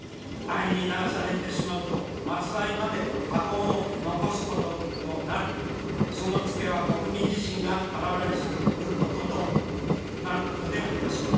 安易に流されてしまうと末代まで禍根を残すこととなり、その付けは国民自身が払わされることとなるでしょう。